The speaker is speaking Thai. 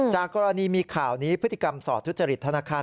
จากกรณีมีข่าวนี้พฤติกรรมสอดทุจริตธนาคาร